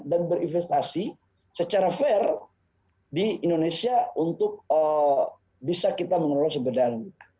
dan berinvestasi secara fair di indonesia untuk bisa kita mengelola sepeda alam kita